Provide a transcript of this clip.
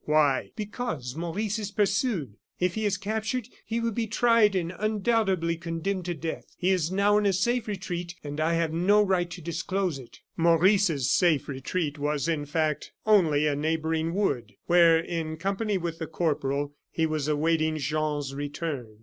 "Why?" "Because Maurice is pursued. If he is captured, he will be tried and undoubtedly condemned to death. He is now in a safe retreat, and I have no right to disclose it." Maurice's safe retreat was, in fact, only a neighboring wood, where in company with the corporal, he was awaiting Jean's return.